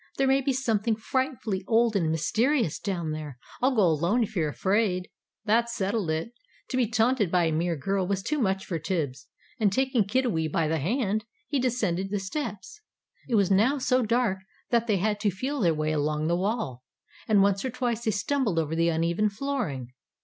"There may be something frightfully old and mysterious down there. I'll go alone if you're afraid." That settled it! To be taunted by a mere girl was too much for Tibbs, and taking Kiddiwee by the hand, he descended the steps. It was now so dark that they had to feel their way along the wall, and once or twice they stumbled over the uneven flooring.